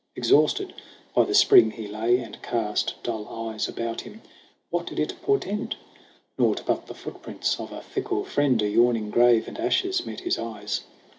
Exhausted, by the spring he lay and cast Dull eyes about him. What did it portend ? Naught but the footprints of a fickle friend, A yawning grave and ashes met his eyes